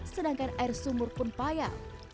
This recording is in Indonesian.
sedangkan air sumur pun payah